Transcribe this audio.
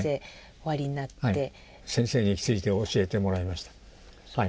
先生について教えてもらいました。